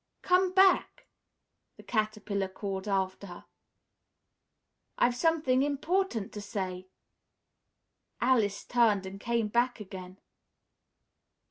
"Come back!" the Caterpillar called after her. "I've something important to say!" Alice turned and came back again.